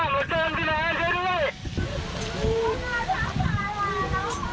มาเลยมามาเลยมา